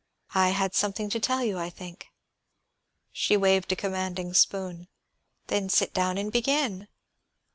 "I had something to tell you, I think." She waved a commanding spoon. "Then sit down and begin."